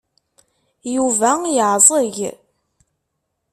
Yuba yeɛẓeg.